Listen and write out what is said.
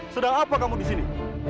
sedang apa kamu di sini